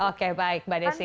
oke baik mbak desi